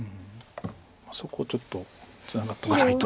そこちょっとツナがっとかないと。